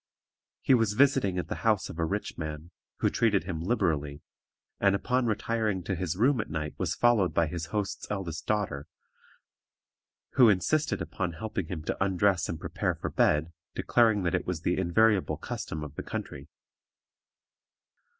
He was visiting at the house of a rich man, who treated him liberally, and upon retiring to his room at night was followed by his host's eldest daughter, who insisted upon helping him to undress and prepare for bed, declaring that it was the invariable custom of the country.